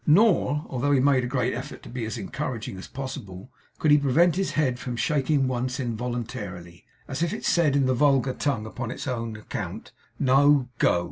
Nor, although he made a great effort to be as encouraging as possible, could he prevent his head from shaking once involuntarily, as if it said in the vulgar tongue, upon its own account, 'No go!